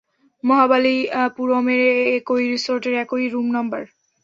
মহাবালিপুরমের, একই রিসোর্টের, একই রুম নম্বর।